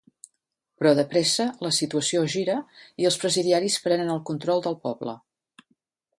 Però de pressa, la situació es gira i els presidiaris prenen el control del poble.